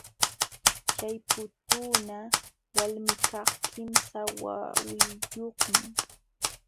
Chay putuuna walmikaq kimsa wawiyuqmi.